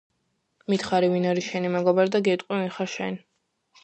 მითხარი ვინ არის შენი მეგობარი და გეტყვი ვინ ხარ შენ